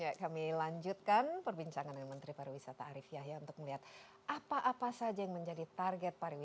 ya kami lanjutkan perbincangan dengan menteri pariwisata arief yahya untuk melihat apa apa saja yang menjadi target pariwisata